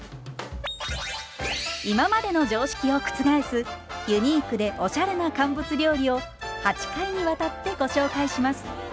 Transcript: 今までの常識を覆すユニークでおしゃれな乾物料理を８回にわたってご紹介します。